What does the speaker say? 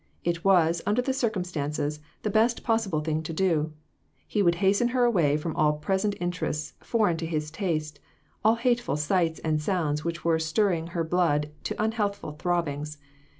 It was, under the circumstances, the best possible thing to do ; he would hasten her away from all present interests foreign to his taste, all hateful sights and sounds which were stirring her blood to unhealthful throbbings.